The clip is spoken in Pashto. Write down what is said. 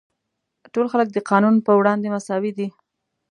ټول خلک د قانون پر وړاندې مساوي دي.